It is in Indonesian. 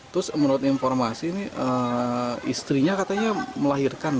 terus menurut informasi ini istrinya katanya melahirkan